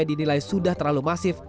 dinilai sudah terlalu masif